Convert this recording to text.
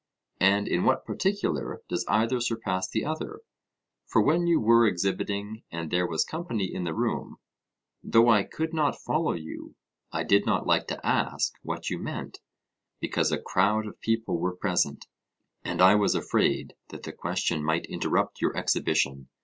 and in what particular does either surpass the other? For when you were exhibiting and there was company in the room, though I could not follow you, I did not like to ask what you meant, because a crowd of people were present, and I was afraid that the question might interrupt your exhibition.